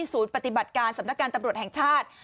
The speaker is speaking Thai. ศูนย์ปฏิบัติการสำนักการตำรวจแห่งชาติ